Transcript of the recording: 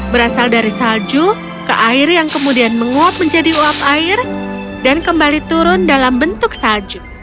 berasal dari salju ke air yang kemudian menguap menjadi uap air dan kembali turun dalam bentuk salju